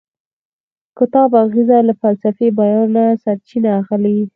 د کتاب اغیز له فلسفي بیانه سرچینه اخلي.